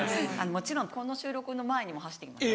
もちろんこの収録の前にも走って来ました。